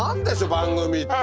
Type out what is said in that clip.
番組って。